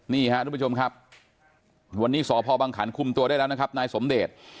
นี่ครับทุกผู้ชมครับวันนี้สพบังขันคุมตัวได้แล้วนะครับนายสมเดช